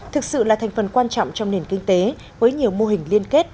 thực sự là thành phần quan trọng trong nền kinh tế với nhiều mô hình liên kết